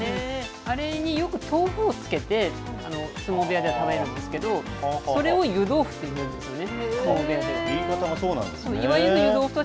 あれによく豆腐をつけて、相撲部屋では食べるんですけど、それを湯豆腐にするんですよね、相撲部屋では。